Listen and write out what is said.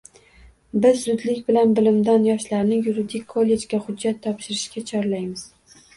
Biz zudlik bilan bilimdon yoshlarni Yuridik kollejga hujjat topshirishga chorlaymiz.